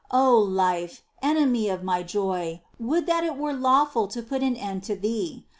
O life, enemy of my joy, would that it were lawful to put an end to thee